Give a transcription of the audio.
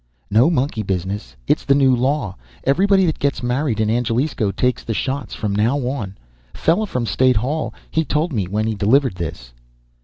"No monkey business. It's the new law. Everybody that gets married in Angelisco takes the shots, from now on. Fella from State Hall, he told me when he delivered this."